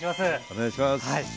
お願いします。